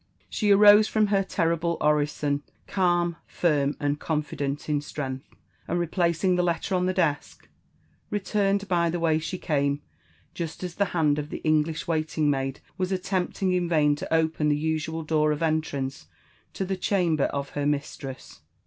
She arose from her terrible orison, calm, firm, and confident in strength ; and replacing the letter on the desk, returned by the way sha^ came, just as the hand of the English waiting maid was attempt ing in vain to open the usual door of entrance to the chamber of her mistress.